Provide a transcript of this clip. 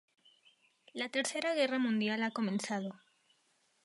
La Tercera Guerra Mundial ha comenzado.